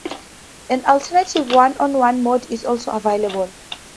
An alternative one-on-one mode is also available.